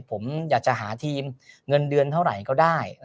ผมอยากจะหาทีมเงินเดือนเท่าไหร่ก็ได้